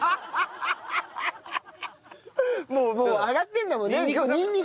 もうもう上がってるんだもんね。